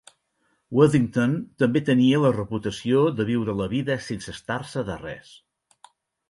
Worthington també tenia la reputació de viure la vida sense estar-se de res.